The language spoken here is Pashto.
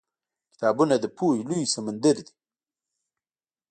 کتابونه د پوهې لوی سمندر دی.